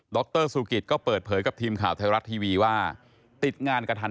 รสุกิตก็เปิดเผยกับทีมข่าวไทยรัฐทีวีว่าติดงานกระทัน